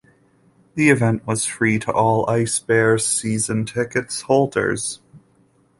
The event was free to all Ice Bears season ticket holders.